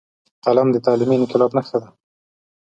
قلم د تعلیمي انقلاب نښه ده